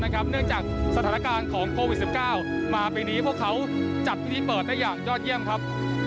เนื่องจากสถานการณ์ของโควิด๑๙มาปีนี้พวกเขาจัดพิธีเปิดได้อย่างยอดเยี่ยมครับ